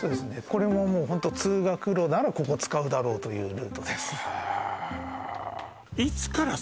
これももうホント通学路ならここ使うだろうというルートです